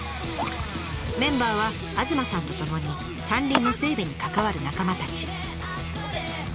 メンバーは東さんとともに山林の整備に関わる仲間たち。